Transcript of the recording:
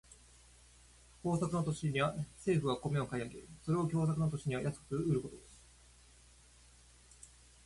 豊作の年には政府が米を買い上げ、それを凶作の年に安く売ること。